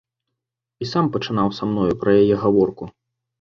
І сам пачынаў са мною пра яе гаворку.